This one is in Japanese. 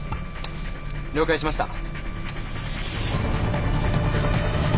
了解しました。